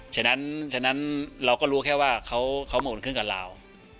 ฉะนั้นฉะนั้นเราก็รู้แค่ว่าเขาเขามาอุดเครื่องกับลาว